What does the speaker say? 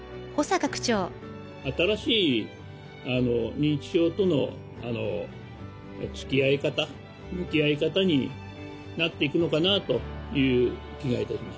新しい認知症とのつきあい方向き合い方になっていくのかなという気が致します。